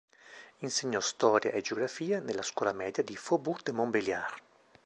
Insegnò storia e geografia nella scuola media di Faubourg de Montbéliard.